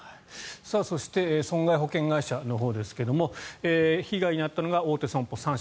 そして損害保険会社のほうですが被害に遭ったのが大手損保３社。